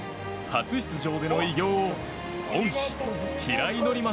初出場での偉業を恩師・平井伯昌